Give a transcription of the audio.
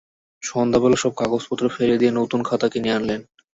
সন্ধ্যাবেলা সব কাগজপত্র ফেলে দিয়ে নতুন খাতা কিনে আনলেন।